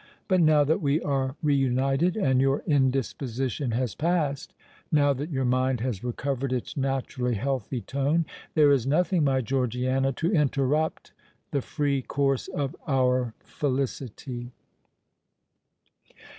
But now that we are re united, and your indisposition has passed,——now that your mind has recovered its naturally healthy tone,—there is nothing, my Georgiana, to interrupt the free course of our felicity."